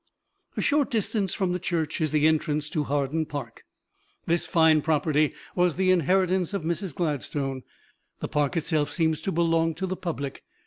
A short distance from the church is the entrance to Hawarden Park. This fine property was the inheritance of Mrs. Gladstone; the park itself seems to belong to the public.